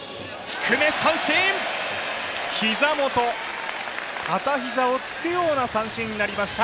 膝元、片膝をつくような三振になりました。